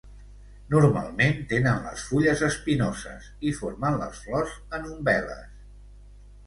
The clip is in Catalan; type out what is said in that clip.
Normalment tenen les fulles espinoses i formen les flors en umbel·les.